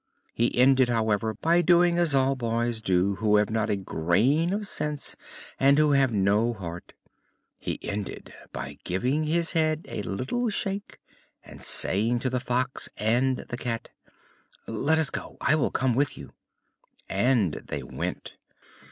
He ended, however, by doing as all boys do who have not a grain of sense and who have no heart he ended by giving his head a little shake and saying to the Fox and the Cat: "Let us go: I will come with you." And they went.